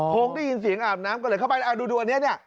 คงได้ยินเสียงอาบน้ำก็เลยเข้าไปแล้วดูอันนี้เนี่ย